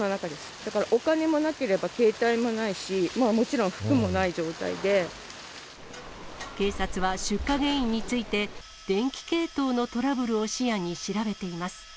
だから、お金もなければ携帯もな警察は、出火原因について、電気系統のトラブルを視野に調べています。